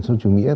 xã hội chủ nghĩa